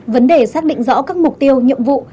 vấn đề xác định rõ các mục tiêu nhiệm vụ